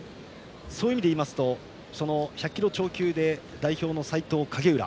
そういう意味で言うと１００キロ超級で代表の斉藤、影浦。